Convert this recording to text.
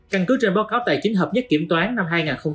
căn cứ trên báo cáo tài chính hợp nhất kiểm toán năm hai nghìn hai mươi ba